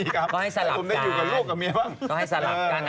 ก็ให้สลับกัน